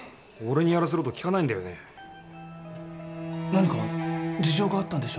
何か事情があったんでしょうか？